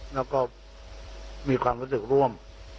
แล้วก็มีความรู้สึกร่วม